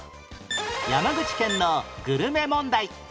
山口県のグルメ問題